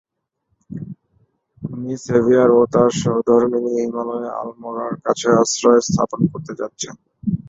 Me Sevier ও তাঁর সহধর্মিণী হিমালয়ে আলমোড়ার কাছে আশ্রয় স্থাপন করতে যাচ্ছেন।